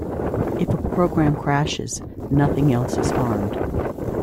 If a program crashes, nothing else is harmed.